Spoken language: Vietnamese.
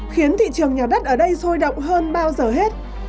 khiến thị trường nhà đất ở đây sôi động hơn bao giờ hết